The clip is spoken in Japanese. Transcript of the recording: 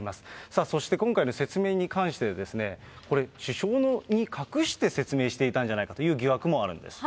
さあ、そして今回の説明に関して、これ、首相に隠して説明していたんじゃないかという疑惑もあるんです。